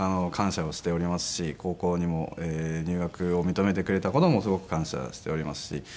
感謝をしておりますし高校にも入学を認めてくれた事もすごく感謝しておりますし。